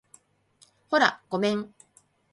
ほら、ごめん